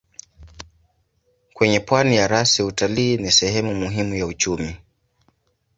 Kwenye pwani ya rasi utalii ni sehemu muhimu ya uchumi.